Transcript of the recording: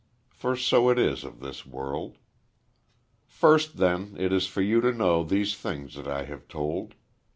For so it is of this world. First, then, it is for you to know these things that I have told.